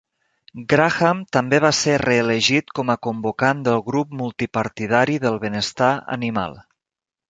Grahame també va ser reelegit com a convocant del Grup multipartidari del benestar animal.